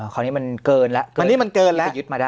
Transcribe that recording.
คราวนี้มันเกินแล้ว